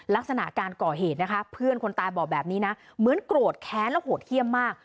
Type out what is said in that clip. ลักษณะการก่อเหตุนะคะเพื่อนคนตายบอกแบบนี้นะเหมือนโกรธแค้นและโหดเยี่ยมมาก